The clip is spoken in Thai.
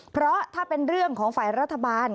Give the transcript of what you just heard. เพราะถ้าเป็นเรื่องของฝ่ายรัฐบาล